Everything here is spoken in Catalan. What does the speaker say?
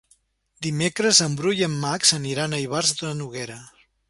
Dimecres en Bru i en Max aniran a Ivars de Noguera.